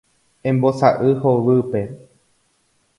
Embosa'y hovýpe.